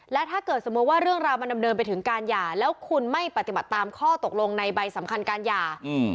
และถ้าเกิดสมมุติว่าเรื่องราวมันดำเนินไปถึงการหย่าแล้วคุณไม่ปฏิบัติตามข้อตกลงในใบสำคัญการหย่า